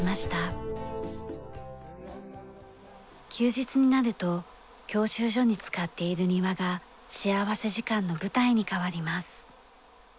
休日になると教習所に使っている庭が幸福時間の舞台に変わります。